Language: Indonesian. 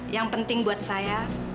yang penting buat saya